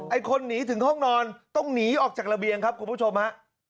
คนหนีถึงห้องนอนต้องหนีออกจากระเบียงครับคุณผู้ชมฮะ